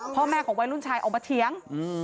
พ่อแม่ของวัยรุ่นชายออกมาเถียง